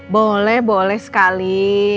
boleh boleh sekali